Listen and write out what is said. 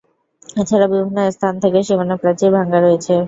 এছাড়া বিভিন্ন স্থান থেকে সীমানা-প্রাচীর ভাঙ্গা রয়েছে।